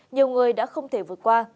nhiều người đã không thể vượt qua